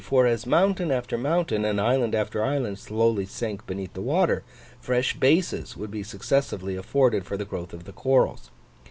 For as mountain after mountain, and island after island, slowly sank beneath the water, fresh bases would be successively afforded for the growth of the corals.